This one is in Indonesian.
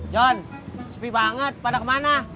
john sepi banget pada kemana